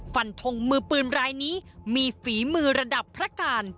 ฟันทงมือปืนรายนี้มีฝีมือระดับพระการ